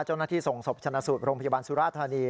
เจ้าหน้าที่ส่งศพชนะสูตรโรงพยาบาลสุราธานี